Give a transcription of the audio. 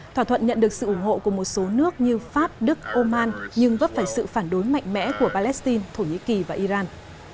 thỏa thuận nhận được sự ủng hộ của một số nước như pháp đức oman nhưng vấp phải sự phản đối mạnh mẽ của palestine thổ nhĩ kỳ và iran